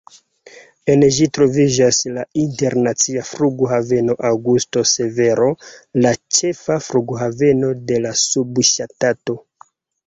En ĝi troviĝas la Internacia Flughaveno Augusto Severo, la ĉefa flughaveno de la subŝtato.